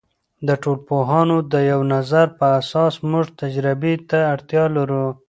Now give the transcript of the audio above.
د ټولنپوهانو د یوه نظر په اساس موږ تجربې ته اړتیا لرو.